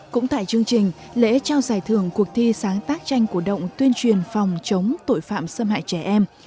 cũng tại chương trình lễ trao giải thưởng cuộc thi sáng tác tranh cổ động tuyên truyền phòng chống tội phạm xâm hại trẻ em